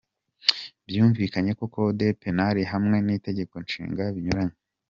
Byumvikane ko code penal hamwe n’Itegeko Nshinga binyuranye.